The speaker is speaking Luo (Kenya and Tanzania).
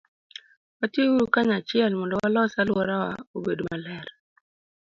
Watiuru kanyachiel mondo walos alworawa obed maber.